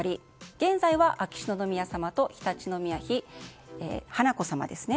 現在は秋篠宮さまと常陸宮妃華子さまですね。